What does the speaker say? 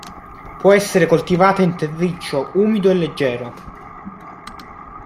Può essere coltivata in terriccio umido e leggero.